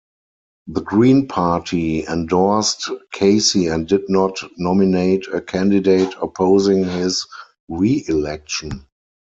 The Green Party endorsed Casey and did not nominate a candidate opposing his reelection.